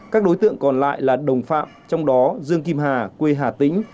các đối tượng còn lại là đồng phạm trong đó dương kim hà quê hà tĩnh